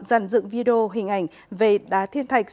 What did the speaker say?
dàn dựng video hình ảnh về đá thiên thạch